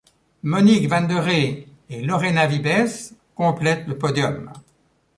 Monique van de Ree et Lorena Wiebes complètent le podium.